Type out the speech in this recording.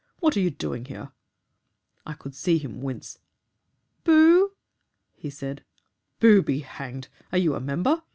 What are you doing here?' "I could see him wince. 'Boo oo,' he said. "'Boo be hanged! Are you a member?'